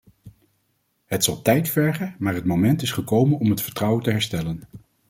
Het zal tijd vergen maar het moment is gekomen om het vertrouwen te herstellen.